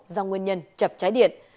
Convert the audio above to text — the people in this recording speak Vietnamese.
do nguyên nhân chập cháy điện